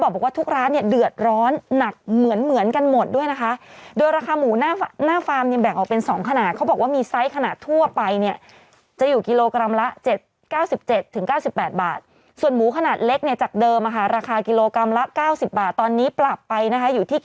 เป็น๑๐กรัมน่ะเอาไปรับที่ช่อง๓